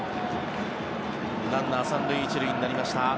ランナー３塁１塁になりました。